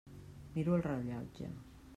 Miro el rellotge.